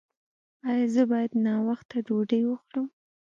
ایا زه باید ناوخته ډوډۍ وخورم؟